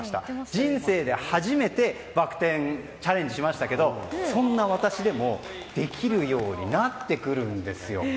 人生で初めてバク転をチャレンジしましたけどそんな私でもできるようになってくるんですよ。